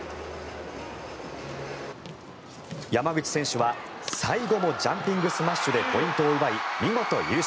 山口選手は最後もジャンピングスマッシュでポイントを奪い、見事優勝。